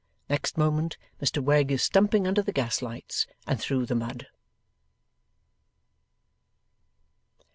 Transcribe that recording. Next moment, Mr Wegg is stumping under the gaslights and through the mud.